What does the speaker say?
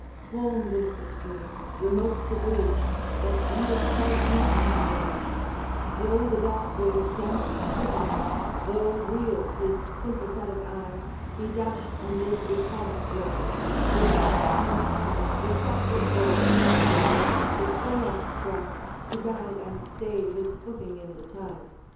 Swoln was the stream, remote the bridge, But Angus paused not on the edge; Though the clerk waves danced dizzily, Though reeled his sympathetic eye, He dashed amid the torrent's roar: His right hand high the crosslet bore, His left the pole axe grasped, to guide And stay his footing in the tide.